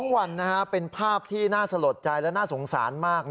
วันเป็นภาพที่น่าสลดใจและน่าสงสารมาก